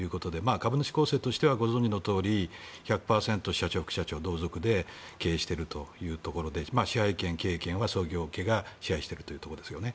株主構成としてはご存じのとおり１００％社長、副社長の同族で経営しているというところで支配権、経営権は創業家が支配しているというところですね。